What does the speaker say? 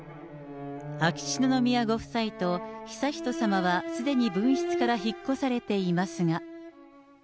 秋篠宮ご夫妻と悠仁さまはすでに分室から引っ越されていますが。